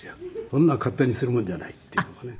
そんな勝手にするもんじゃないっていうのはね。